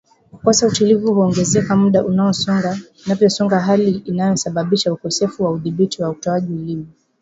Kukosa utulivu huongezeka muda unavyosonga hali inayosababisha ukosefu wa uthabiti wa utoaji ulimi